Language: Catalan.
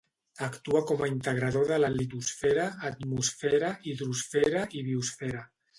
Actua com a integrador de la litosfera, atmosfera, hidrosfera i biosfera.